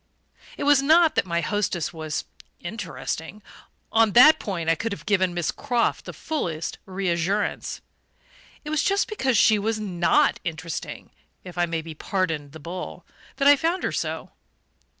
It was not that my hostess was "interesting": on that point I could have given Miss Croft the fullest reassurance. It was just because she was NOT interesting if I may be pardoned the bull that I found her so.